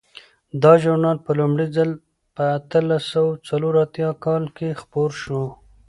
دا ژورنال په لومړي ځل په اتلس سوه څلور اتیا کال کې خپور شو.